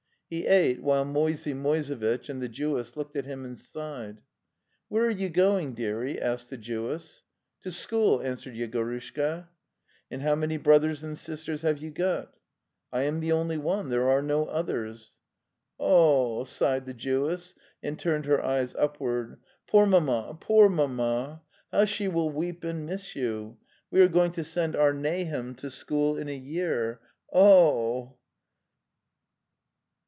He ate while Moisey Moisevitch and the Jewess looked at him and sighed. ''Where are you going, dearie?'' asked the Jewess. "To school," answered Yegorushka. "And how many brothers and sisters have you gotr,? ''T am the only one; there are no others." '"Q oh!" sighed the Jewess, and turned her eyes upward. '" Poor mamma, poor mamma! How she will weep and miss you! We are going to send our Nahum to school in a year. O oh!"